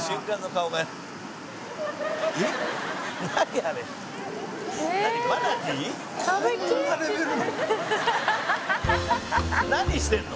山崎：何してんの？